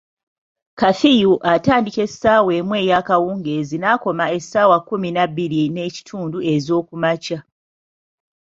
Kafiyu atandika essaawa emu eyakawungeezi n'akoma essaawa kumi na bbiri n'ekitundu ez'okumakya.